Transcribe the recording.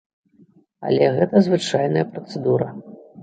Але гэта звычайная працэдура.